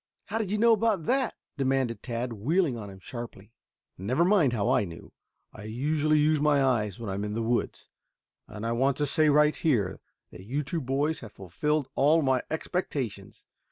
"How did you know about that?" demanded Tad, wheeling on him sharply. "Never mind how I knew. I usually use my eyes when I am in the woods. And I want to say, right here, that you two boys have fulfilled all my expectations.